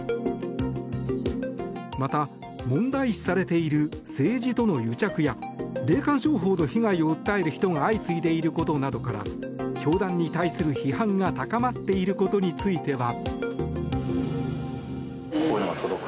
また、問題視されている政治との癒着や霊感商法の被害を訴える人が相次いでいることなどから教団に対する批判が高まっていることについては。